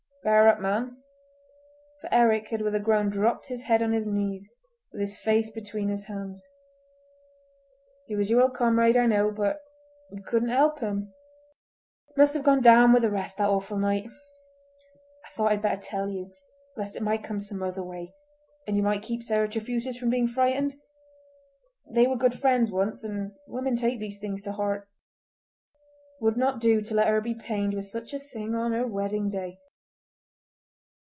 "Bear up, man," for Eric had with a groan dropped his head on his knees, with his face between his hands. "He was your old comrade, I know, but you couldn't help him. He must have gone down with the rest that awful night. I thought I'd better tell you, lest it might come some other way, and you might keep Sarah Trefusis from being frightened. They were good friends once, and women take these things to heart. It would not do to let her be pained with such a thing on her wedding day!"